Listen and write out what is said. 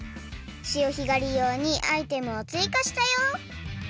潮干狩りようにアイテムをついかしたよ！